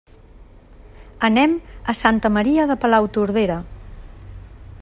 Anem a Santa Maria de Palautordera.